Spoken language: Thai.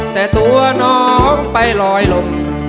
แต่ตัวน้องไปลอยลม